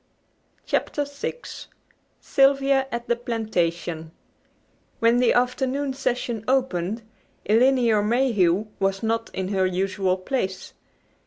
CHAPTER VI SYLVIA AT THE PLANTATION When the afternoon session opened Elinor Mayhew was not in her usual place.